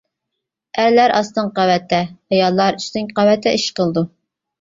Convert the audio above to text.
ئەرلەر ئاستىنقى قەۋەتتە ئاياللار ئۈستۈنكى قەۋەتتە ئىش قىلىدۇ.